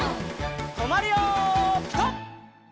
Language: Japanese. とまるよピタ！